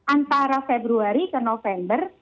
antara februari ke november